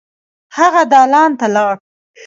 هغه دالان ته لاړ.